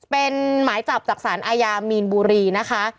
เป็นหมายจับจากสารอาญามีนบุรีนะคะ